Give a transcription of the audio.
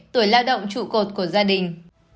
tuổi lao động trụ cột của gia đình